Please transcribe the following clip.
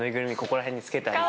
ここら辺につけたり。